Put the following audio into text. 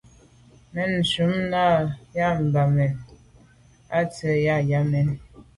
Mɛ̂n nshûn ὰm bə α̂ Yâmɛn Bò kə ntsiaŋ i α̂ Yâmɛn.